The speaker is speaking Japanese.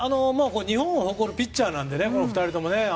日本を誇るピッチャーなので２人とも。